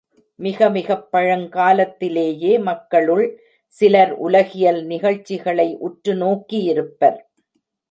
மிக மிகப் பழங்காலத்தி லேயே மக்களுள் சிலர் உலகியல் நிகழ்ச்சிகளை உற்று நோக்கியிருப்பர்.